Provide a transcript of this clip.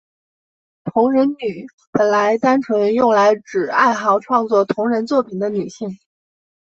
同人女本来单纯用来指爱好创作同人作品的女性。